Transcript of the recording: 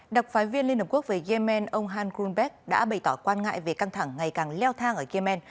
đặc phái viên liên hợp quốc về yemen ông han grunberg đã bày tỏ quan ngại về căng thẳng ngày càng leo thang ở yemen